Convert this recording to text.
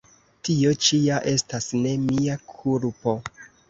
Tio ĉi ja estas ne mia kulpo!